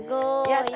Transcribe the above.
やった！